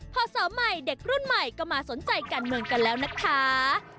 พอสาวใหม่เด็กรุ่นใหม่ก็มาสนใจการเมืองกันแล้วนะคะ